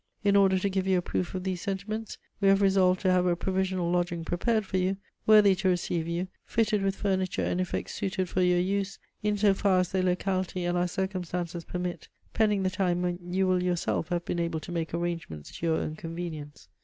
In order to give you a proof of these sentiments, we have resolved to have a provisional lodging prepared for you, worthy to receive you, fitted with furniture and effects suited for your use, in so far as the locality and our circumstances permit, pending the time when you will yourself have been able to make arrangements to your own convenience.